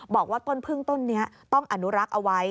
บอกว่าต้นพึ่งต้นนี้ต้องอนุรักษ์เอาไว้